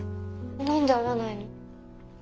何で会わないの？